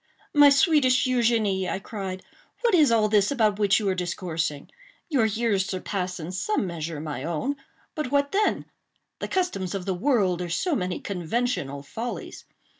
"My sweetest Eugénie," I cried, "what is all this about which you are discoursing? Your years surpass in some measure my own. But what then? The customs of the world are so many conventional follies.